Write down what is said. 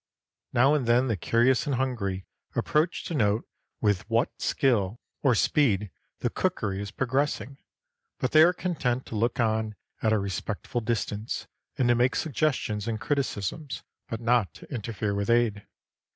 Now and then the curious and hungry approach to note with what skill or speed the cookery is progressing, but they are content to look on at a respectful distance and to make suggestions and criticisms, but not to interfere with aid.